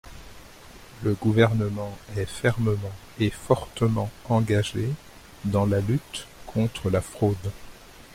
Le Gouvernement est fermement et fortement engagé dans la lutte contre la fraude.